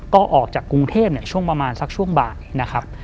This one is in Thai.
ก็ออกจากกรุงเทพช่วงประมาณสักช่วงบ่ายนะครับ